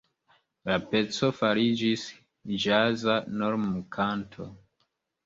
La peco fariĝis ĵaza normkanto.